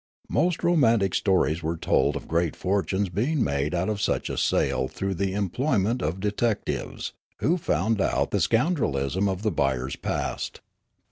Most ro mantic stories were told of great fortunes being made out of such a sale through the employment of detectives, who found out the scoundrelism of the buyer's past.